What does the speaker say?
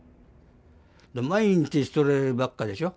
毎日そればっかでしょ。